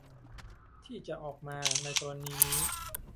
ที่จะออกมาในกรณีนี้